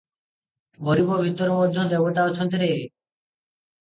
ଗରିବ ଭିତରେ ମଧ୍ୟ ଦେବତା ଅଛନ୍ତି ରେ!